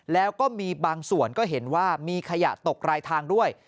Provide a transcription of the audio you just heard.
แล้วก็มีบางส่วนก็เห็นว่ามีขยะตกรายทางด้วย